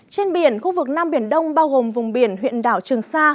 trên biển khu vực nam biển đông bao gồm vùng biển huyện đảo trường sa